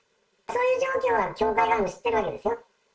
そういう状況は教会側も知ってるわけですよね。